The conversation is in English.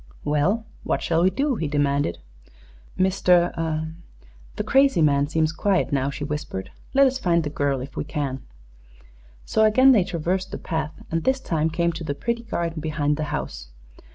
"Well, what shall we do?" he demanded. "Mr. the crazy man seems quiet now," she whispered. "Let us find the girl, if we can." So again they traversed the path and this time came to the pretty garden behind the house.